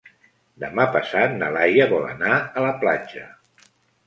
Demà passat na Laia vol anar a la platja.